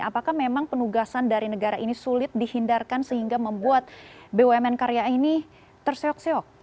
apakah memang penugasan dari negara ini sulit dihindarkan sehingga membuat bumn karya ini terseok seok